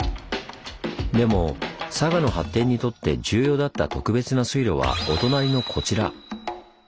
でも佐賀の発展にとって重要だった特別な水路はお隣のこちら。